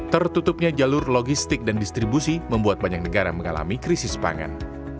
tertutupnya jalur logistik dan distribusi membuat banyak negara mengalami krisis pangan